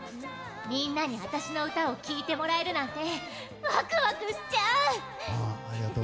みんなに私の歌を聴いてもらえるなんてワクワクしちゃう！